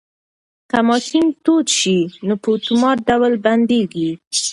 که ماشین تود شي نو په اتومات ډول بندیږي.